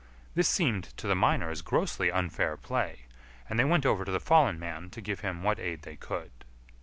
This seemed to the miners grossly unfair play, and they went over to the fallen man to give him what aid they could.